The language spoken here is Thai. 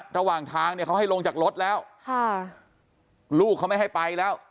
ระหว่างทางเนี่ยเขาให้ลงจากรถแล้วค่ะลูกเขาไม่ให้ไปแล้ว